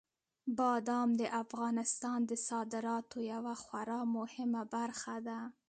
بادام د افغانستان د صادراتو یوه خورا مهمه برخه ده.